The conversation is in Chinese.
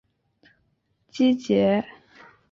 基节粉苞菊为菊科粉苞苣属的植物。